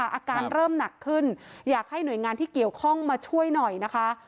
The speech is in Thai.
อาการเริ่มหนักขึ้นอยากให้หน่วยงานที่เกี่ยวข้องมาช่วยหน่อยนะคะ